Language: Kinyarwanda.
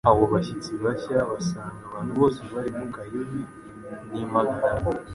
Abo bashyitsi bashya basanga abantu bose bari mu kayubi n'impagarara.